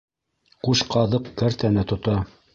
Ҡуш ҡаҙыҡ кәртәне тота.